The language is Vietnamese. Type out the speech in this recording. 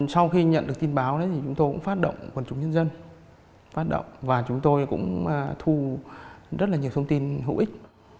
sau khi nhận được tin báo thì chúng tôi cũng phát động quần chúng nhân dân phát động và chúng tôi cũng thu rất là nhiều thông tin hữu ích